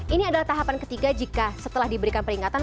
ini adalah tahapan ketiga jika setelah diberikan peringatan